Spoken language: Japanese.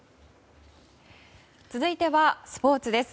続いてはスポーツです。